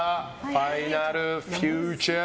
ファイナルフューチャー？